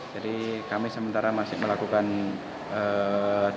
jadi kami sementara masih melakukan tewas